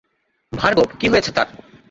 ভার্গব কী হয়েছে তার?